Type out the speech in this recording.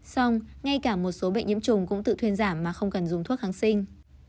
xong ngay cả một số bệnh nhiễm trùng cũng tự thuyên giảm mà không cần dùng thuốc kháng sinh